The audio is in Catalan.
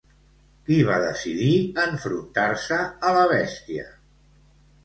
Qui va decidir enfrontar-se a la bèstia?